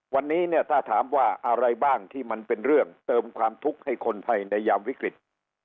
วันนี้เนี่ยถ้าถามว่าอะไรบ้างที่มันเป็นเรื่องเติมความทุกข์ให้คนไทยในยามวิกฤต